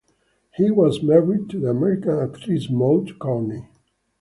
He was married to the American actress Maude Courtney.